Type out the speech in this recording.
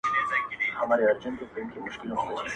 خالقه سترګي د رقیب مي سپېلني کې ورته.!